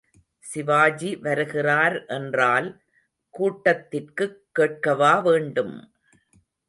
சிவாஜி வருகிறார் என்றால் கூட்டத்திற்குக் கேட்கவாவேண்டும்.